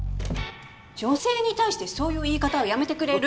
女性に対してそういう言い方はやめてくれる？